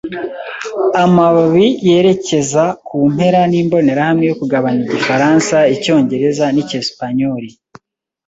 amababi yerekeza kumpera nimbonerahamwe yo kugabanya igifaransa, icyongereza, nicyesipanyoli